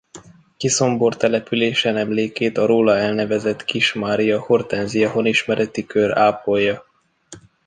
Kiszombor településen emlékét a róla elnevezett Kiss Mária Hortensia Honismereti Kör ápolja.